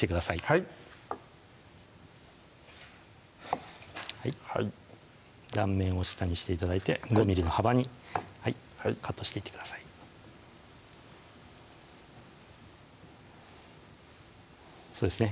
はいはい断面を下にして頂いて５ｍｍの幅にカットしていってくださいそうですね